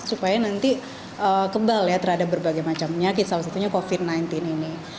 supaya nanti kebal ya terhadap berbagai macam penyakit salah satunya covid sembilan belas ini